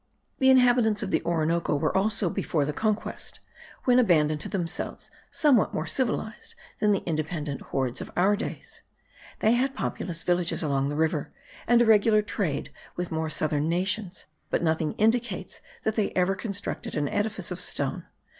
The inhabitants of the Orinoco were also, before the conquest, when abandoned to themselves, somewhat more civilized than the independent hordes of our days. They had populous villages along the river, and a regular trade with more southern nations; but nothing indicates that they ever constructed an edifice of stone.